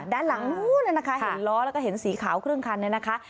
ด้านหลังนู้นนะคะเห็นล้อแล้วก็เห็นสีขาวครึ่งคันเนี่ยนะคะ